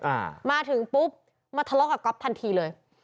อ่ามาถึงปุ๊บมาทะเลาะกับก๊อฟทันทีเลย